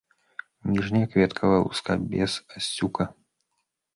Ніжняя кветкавая луска без асцюка.